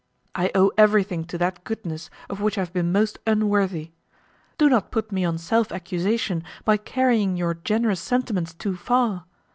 I owe everything to that goodness, of which I have been most unworthy. Do not put me on self accusation, by carrying your generous sentiments too far.